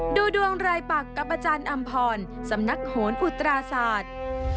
ดูดวงรายปักกับอาจารย์อำพรสำนักโหนอุตราศาสตร์